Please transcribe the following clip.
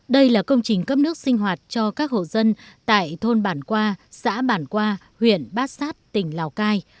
đây là công trình cấp nước sinh hoạt cho các hộ dân tại thôn bản qua xã bản qua huyện bát sát tỉnh lào cai